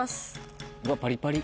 パリパリ。